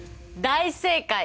大正解！